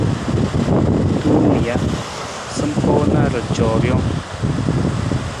Tong nija, sampaa na ra coo rijang.